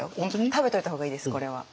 食べといた方がいいですこれは。